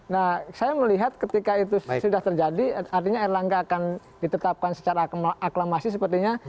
nah saya melihat ketika itu sudah terjadi artinya erlangga akan ditetapkan secara aklamasi sepertinya